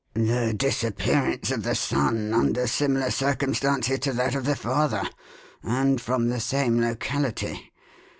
"The disappearance of the son under similar circumstances to that of the father, and from the same locality.